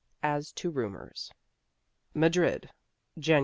AS TO RUMORS MADRID, Jan.